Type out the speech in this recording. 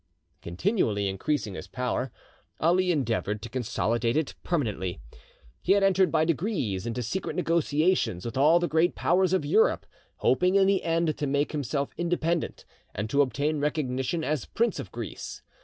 Continually increasing his power, Ali endeavoured to consolidate it permanently. He had entered by degrees into secret negotiations with all the great powers of Europe, hoping in the end to make himself independent, and to obtain recognition as Prince of Greece.